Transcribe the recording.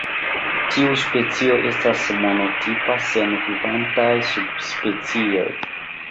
Tiu specio estas monotipa sen vivantaj subspecioj.